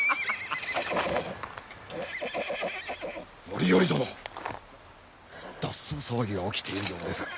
範頼殿脱走騒ぎが起きているようですが。